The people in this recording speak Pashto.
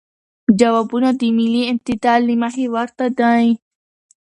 جوابونه د ملی اعتدال له مخې ورته دی.